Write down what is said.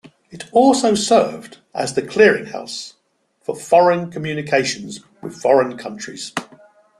It also served as the "clearinghouse" for foreign communications with foreign countries.